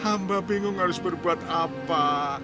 hamba bingung harus berbuat apa